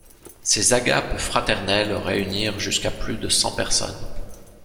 Ces agapes fraternelles réunirent jusqu’à plus de cent personnes.